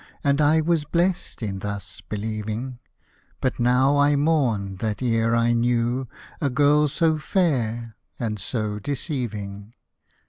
And I was blest in thus believing ; But now I mourn that e'er I knew A girl so fair and so deceiving.